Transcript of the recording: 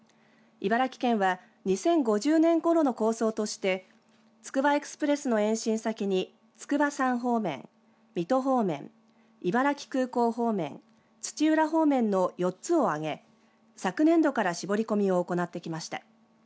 茨城県は２０５０年ごろの構想としてつくばエクスプレスの延伸先に筑波山方面水戸方面茨城空港方面土浦方面の４つを挙げ昨年度から絞り込みを行ってきました。